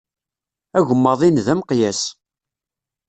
Agemmaḍ-in d ameqyas.